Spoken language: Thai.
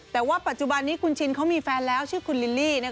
แต่ว่าปัจจุบันนี้คุณชินเขามีแฟนแล้วชื่อคุณลิลลี่